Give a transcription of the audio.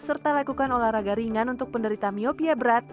serta lakukan olahraga ringan untuk penderita miopia berat